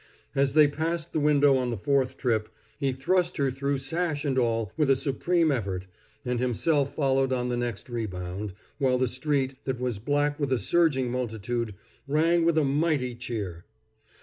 As they passed the window on the fourth trip, he thrust her through sash and all with a supreme effort, and himself followed on the next rebound, while the street, that was black with a surging multitude, rang with a mighty cheer.